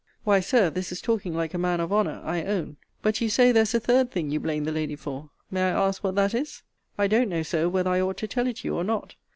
Why, Sir, this is talking like a man of honour, I own. But you say there is a third thing you blame the lady for: May I ask what that is? I don't know, Sir, whether I ought to tell it you, or not.